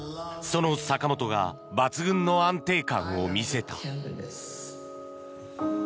その坂本が抜群の安定感を見せた。